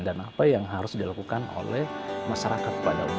dan apa yang harus dilakukan oleh masyarakat pada umumnya